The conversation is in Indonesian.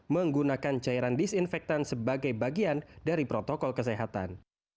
menggunakan cairan disinfektan sebagai bagian dari protokol kesehatan